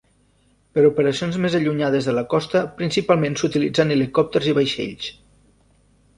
Per a operacions més allunyades de la costa principalment s'utilitzen helicòpters i vaixells.